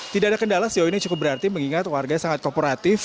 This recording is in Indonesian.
tidak ada kendala sejauh ini cukup berarti mengingat warga sangat kooperatif